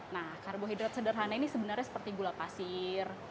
nah karbohidrat sederhana ini sebenarnya seperti gula pasir